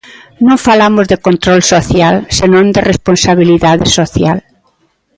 Non falamos de control social senón de responsabilidade social.